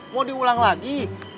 mau diulang lagi